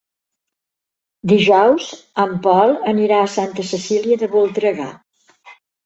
Dijous en Pol anirà a Santa Cecília de Voltregà.